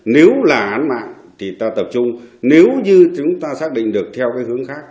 nếu là án mạng thì ta tập trung nếu như chúng ta xác định được theo cái hướng khác